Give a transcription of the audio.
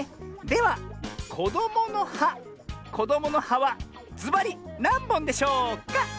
ではこどもの「は」こどもの「は」はずばりなんぼんでしょうか？